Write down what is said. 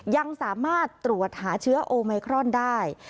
ยังสามารถตรวจหาเชื้อโอไมครอนได้